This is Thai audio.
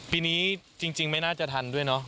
ปีนี้จริงไม่น่าจะทันด้วยเนาะ